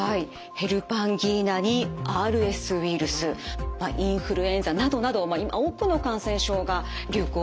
ヘルパンギーナにＲＳウイルスインフルエンザなどなど今多くの感染症が流行しております。